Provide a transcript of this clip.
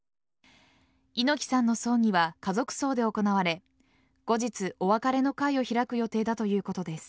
猪木さんの葬儀は家族葬で行われ後日、お別れの会を開く予定だということです。